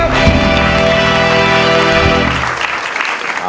ไม่ใช้ครับ